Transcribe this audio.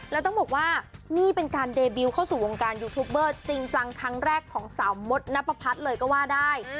แล้วต้องบอกว่านี่เป็นการเดบิลเข้าสู่วงการยูทูปเบอร์จริงจังครั้งแรกของสาวมดนับประพัฒน์เลยก็ว่าได้